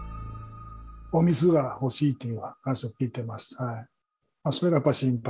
お水が欲しいっていう話を聞いてます。